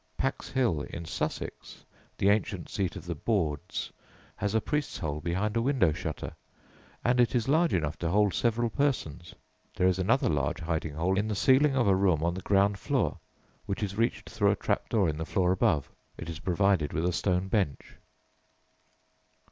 Paxhill, in Sussex, the ancient seat of the Bordes, has a priest's hole behind a window shutter, and it is large enough to hold several persons; there is another large hiding hole in the ceiling of a room on the ground floor, which is reached through a trap door in the floor above. It is provided with a stone bench.